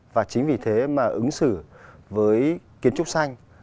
và chính vì thế mà ứng xử với kiến trúc xanh